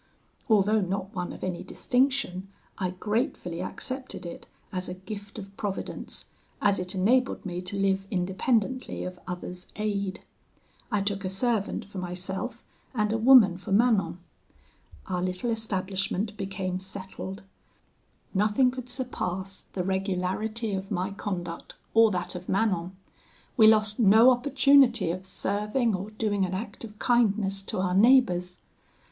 Although not one of any distinction, I gratefully accepted it as a gift of Providence, as it enabled me to live independently of others' aid. I took a servant for myself, and a woman for Manon. Our little establishment became settled: nothing could surpass the regularity of my conduct, or that of Manon; we lost no opportunity of serving or doing an act of kindness to our neighbours.